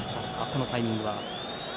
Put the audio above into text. このタイミングは。